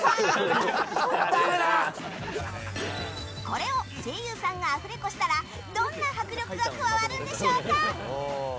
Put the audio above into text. これを声優さんがアフレコしたらどんな迫力が加わるんでしょうか。